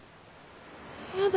やだ